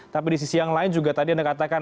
tapi di sisi yang lain juga tadi anda katakan